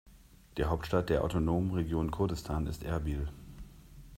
Die Hauptstadt der autonomen Region Kurdistan ist Erbil.